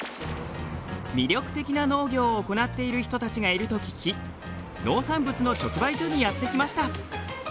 魅力的な農業を行っている人たちがいると聞き農産物の直売所にやって来ました。